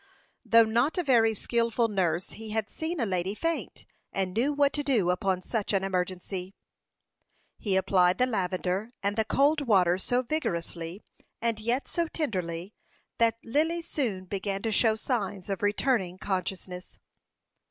Though not a very skilful nurse, he had seen a lady faint, and knew what to do upon such an emergency. He applied the lavender and the cold water so vigorously, and yet so tenderly, that Lily soon began to show signs of returning consciousness.